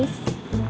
terima kasih blis